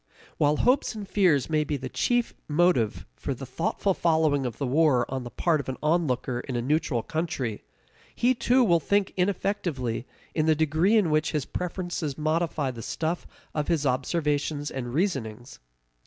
While hopes and fears may be the chief motive for a thoughtful following of the war on the part of an onlooker in a neutral country, he too will think ineffectively in the degree in which his preferences modify the stuff of his observations and reasonings.